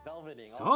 そう。